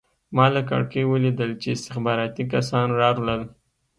ما له کړکۍ ولیدل چې استخباراتي کسان راغلل